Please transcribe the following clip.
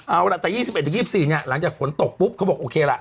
เอาล่ะแต่๒๑๒๔เนี่ยหลังจากฝนตกปุ๊บเขาบอกโอเคล่ะ